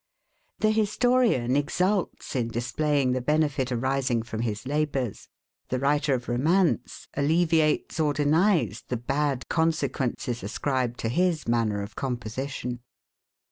The historian exults in displaying the benefit arising from his labours. The writer of romance alleviates or denies the bad consequences ascribed to his manner of composition.